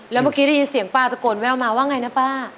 แล้วเมื่อกี้ได้ยินเสียงป้าตะโกนแววมาว่าไงนะป้า